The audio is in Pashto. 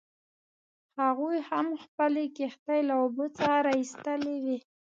هغوی هم خپلې کښتۍ له اوبو څخه راویستلې وې.